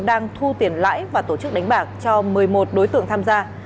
đang thu tiền lãi và tổ chức đánh bạc cho một mươi một đối tượng tham gia